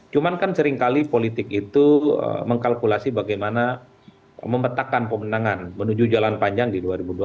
cuman kan seringkali politik itu mengkalkulasi bagaimana memetakan pemenangan menuju jalan panjang di dua ribu dua puluh empat